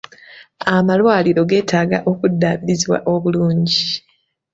Amalwaliro geetaaga okuddaabirizibwa obulungi.